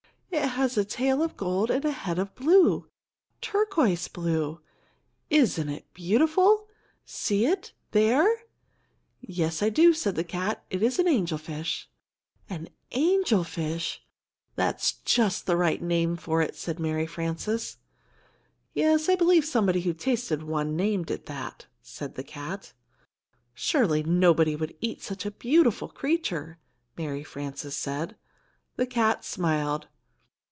It has a tail of gold and a head of blue turquoise blue. Isn't it beautiful! See it, there!" "Yes, I do," said the cat; "it is an angel fish." "An angel fish! That's just the right name for it," said Mary Frances. "Yes, I believe somebody who tasted one named it that," said the cat. "Surely nobody would eat such a beautiful creature," Mary Frances said. The cat smiled.